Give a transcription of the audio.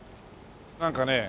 なんかね